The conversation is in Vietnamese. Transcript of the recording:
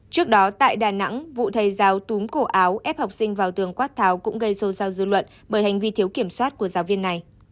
trước đó tại đà nẵng vụ thầy giáo túm cổ áo ép học sinh vào tường quát tháo cũng gây xôn xao dư luận bởi hành vi thiếu kiểm soát của giáo viên này